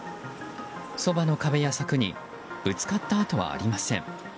そばの壁や柵にぶつかった跡はありません。